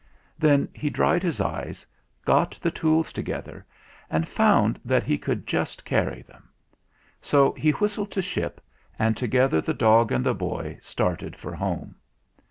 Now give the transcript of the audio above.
Then he dried his eyes, got the tools together, and found that he could just carry them. So he whistled to Ship, and together the dog and the boy started for home.